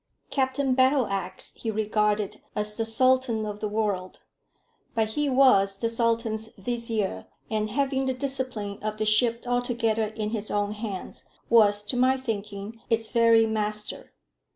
Captain Battleax he regarded as the sultan of the world; but he was the sultan's vizier, and having the discipline of the ship altogether in his own hands, was, to my thinking, its very master.